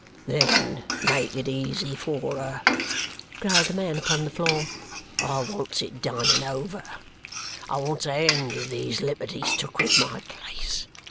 "Then make it easy for her!" growled the man upon the floor. "I wants it done, and over. I wants a end of these liberties took with my place.